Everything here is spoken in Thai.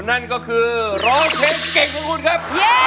นั่นก็คือร้องเพลงเก่งของคุณครับ